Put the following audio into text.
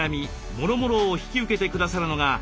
もろもろを引き受けて下さるのが。